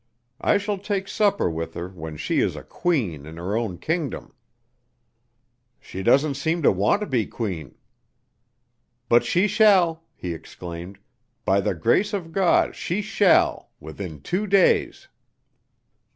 I shall take supper with her when she is a queen in her own kingdom." "She doesn't seem to want to be queen." "But she shall," he exclaimed, "by the grace of God, she shall, within two days!"